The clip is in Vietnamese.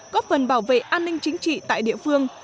góp phần bảo vệ an ninh chính trị tại địa phương